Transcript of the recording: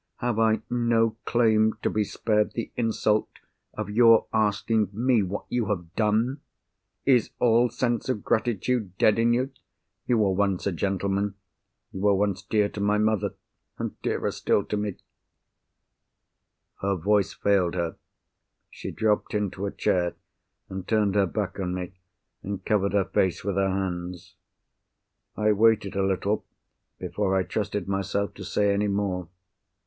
Have I no claim to be spared the insult of your asking me what you have done? Is all sense of gratitude dead in you? You were once a gentleman. You were once dear to my mother, and dearer still to me——" Her voice failed her. She dropped into a chair, and turned her back on me, and covered her face with her hands. I waited a little before I trusted myself to say any more.